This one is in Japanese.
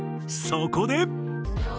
そこで。